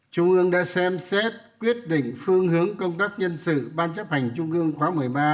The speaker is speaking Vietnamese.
trung ương đã xem xét quyết định phương hướng công tác nhân sự ban chấp hành trung ương khóa một mươi ba